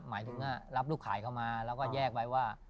หมายถึงว่ารับลูกขายเข้ามาแล้วก็แยกไปว่า